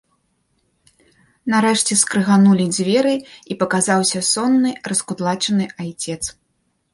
Нарэшце скрыганулі дзверы і паказаўся сонны, раскудлачаны айцец.